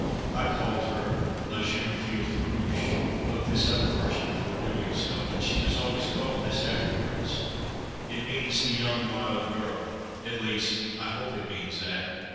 I called her "La jeune fille farouche" (looked this up first before doing so), and she was always called this afterwards. It means "the young wild girl"; at least I hope it means that.